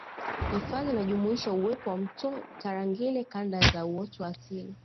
Hifadhi inajumuisha uwepo wa Mto Tarangire Kanda za Uoto wa asili